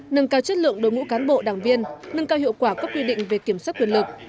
nâng cao chất lượng đối ngũ cán bộ đảng viên nâng cao hiệu quả các quy định về kiểm soát quyền lực